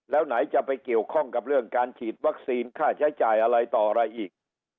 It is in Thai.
แล้วไหนจะไปเกี่ยวข้องกับเรื่องการฉีดวัคซีนค่าใช้จ่ายอะไรต่ออะไรอีก